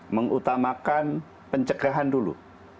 mengutamakan pencegahan dulu